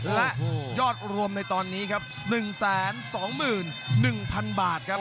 และยอดรวมในตอนนี้ครับ๑๒๑๐๐๐บาทครับ